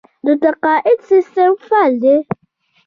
د تقاعد سیستم فعال دی؟